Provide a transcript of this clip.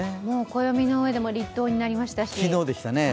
暦の上でも立冬になりましたし